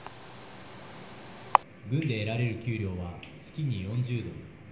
軍で得られる給料は月に４０ドル。